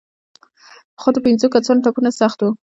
خو د پېنځو کسانو ټپونه سخت وو.